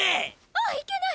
あいけない！